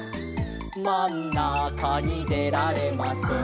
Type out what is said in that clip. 「まんなかにでられません」